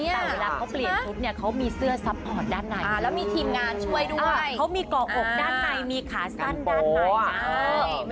เดินเท่ารับเลื่อยอยู่เนี่ยเขามีเสื้อซับพอร์ทได้อ่านแล้วมีทีมงานช่วยด้วยเขามีกอกด้านใยมีขาซั่นด้านอ่ะ